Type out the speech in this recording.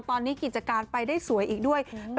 ตอนนี้กิจการไปได้สวยอีกด้วย